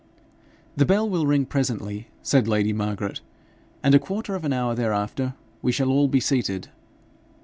'The bell will ring presently,' said lady Margaret, 'and a quarter of an hour thereafter we shall all be seated.'